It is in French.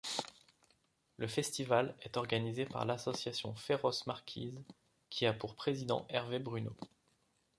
Le festival est organisé par l'association Féroce Marquise, qui a pour président Hervé Brunaux.